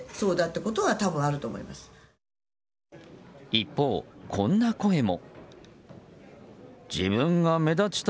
一方、こんな声も。